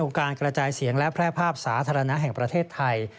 การกระจายเสียงและแพร่ภาพสาธารณะแห่งประเทศไทย